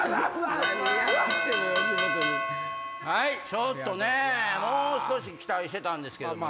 ちょっとねぇもう少し期待してたんですけども。